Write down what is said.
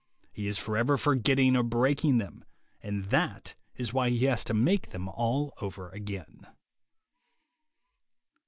He is forever forgetting or breaking them, and that is why he has to make them all over again.